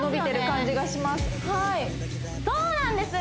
そうなんです